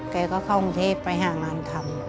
แกก็เข้ากรุงเทพไปหางานทำ